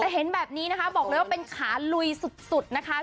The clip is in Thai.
แต่เห็นแบบนี้นะคะบอกเลยว่าเป็นขาลุยสุดนะคะ